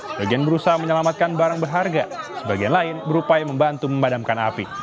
sebagian berusaha menyelamatkan barang berharga sebagian lain berupaya membantu memadamkan api